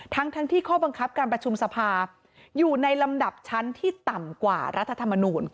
ทั้งที่ข้อบังคับการประชุมสภาอยู่ในลำดับชั้นที่ต่ำกว่ารัฐธรรมนูล